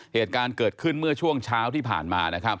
เหตุการณ์เกิดขึ้นเมื่อช่วงเช้าที่ผ่านมานะครับ